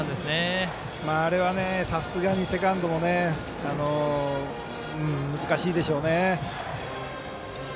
あれはさすがにセカンドも難しいでしょうね。